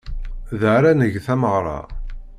Da ara neg tameɣra.